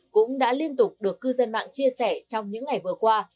cũng đã liên tục được cư dân mạng chia sẻ trong những ngày vừa qua